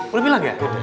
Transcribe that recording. udah bilang ya